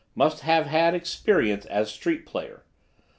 Must have had experience as street player.